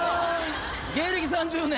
芸歴３０年。